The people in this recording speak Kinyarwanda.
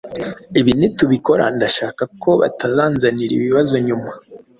ibi nitubikora ndashaka ko bitazanzanira ibibazo nyuma